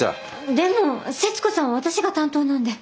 でも節子さん私が担当なんで。